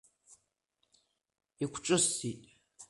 Иқәҿысҭит.